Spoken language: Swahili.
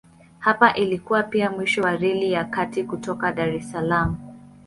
Hapa ilikuwa pia mwisho wa Reli ya Kati kutoka Dar es Salaam.